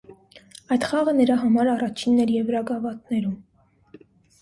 Այդ խաղը նրա համար առաջինն էր եվրագավաթներում։